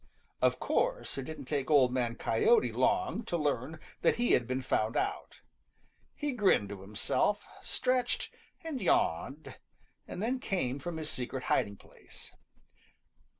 Of course it didn't take Old Man Coyote long to learn that he had been found out. He grinned to himself, stretched, and yawned, and then came out from his secret hiding place.